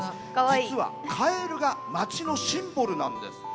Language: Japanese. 実はカエルが町のシンボルなんです。